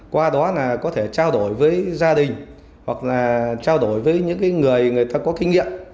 qua đó là có thể trao đổi với gia đình hoặc là trao đổi với những người người ta có kinh nghiệm